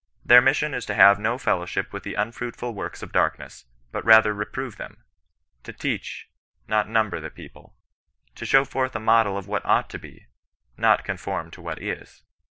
Their mission is to *^ have no fellowship with the unfruitful works of darkness, but rather reprove them." To teachy not number the people. To show forth a model of what ought to he — not conform to what is.